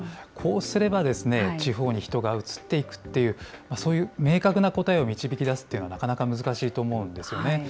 こうすれば地方に人が移っていくっていう、そういう明確な答えを導き出すというのはなかなか難しいと思うんですよね。